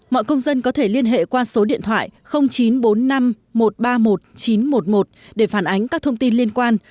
mọi công dân có thể liên hệ qua số điện thoại chín trăm bốn mươi năm một trăm ba mươi một chín trăm một mươi một để phản ánh các thông tin liên quan